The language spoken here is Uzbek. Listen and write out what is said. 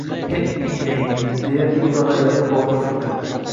— He, enangni... — deya o‘dag‘ayladi Botir firqa.